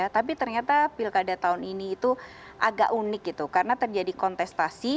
tapi ternyata pilkada tahun ini itu agak unik gitu karena terjadi kontestasi